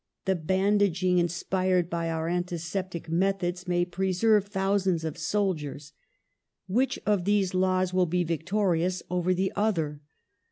The bandaging inspired by our antiseptic methods may preserve thousands of soldiers. Which of these laws will be victorious over the other?